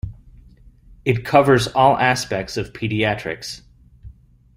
It covers all aspects of pediatrics.